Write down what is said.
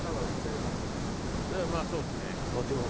まぁそうですね。